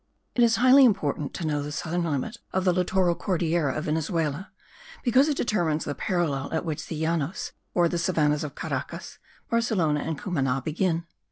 It is highly important to know the southern limit of the littoral Cordillera of Venezuela because it determines the parallel at which the Llanos or the savannahs of Caracas, Barcelona and Cumana begin.